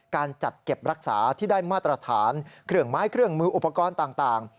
การจัดเก็บรักษาที่ได้มาตรฐานเครื่องไม้เครื่องมืออุปกรณ์ต่าง